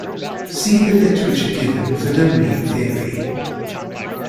See the literature given for domain theory.